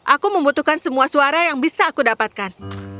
aku membutuhkan semua suara yang bisa aku dapatkan